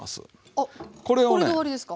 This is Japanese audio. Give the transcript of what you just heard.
あっこれで終わりですか？